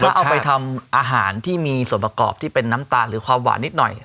เอาไปทำอาหารที่มีส่วนประกอบที่เป็นน้ำตาลหรือความหวานนิดหน่อย